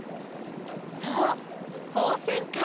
そうホウセンカ。